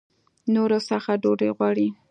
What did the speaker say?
نورو څخه ډوډۍ غواړي.